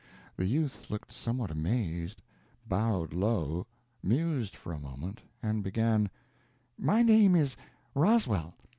The youth looked somewhat amazed, bowed low, mused for a moment, and began: "My name is Roswell.